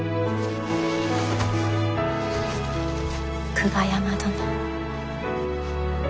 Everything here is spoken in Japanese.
久我山殿。